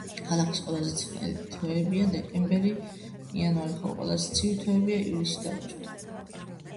ქალაქის ყველაზე ცხელი თვეებია დეკემბერი და იანვარი, ხოლო ყველაზე ცივი თვეებია ივლისი და აგვისტო.